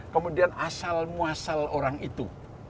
kemudian asal muasal orang itu